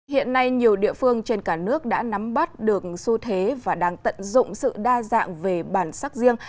hiện nay nhiều địa phương trên cả nước đã nắm bắt được xu thế và đang tận dụng sự đa dạng về bản sắc riêng